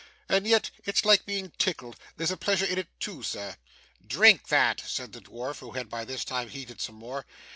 and yet it's like being tickled there's a pleasure in it too, sir!' 'Drink that,' said the dwarf, who had by this time heated some more.